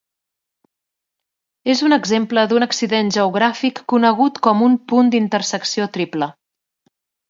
És un exemple d'un accident geogràfic conegut com un punt d'intersecció triple.